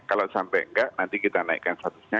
kalau sampai enggak nanti kita naikkan statusnya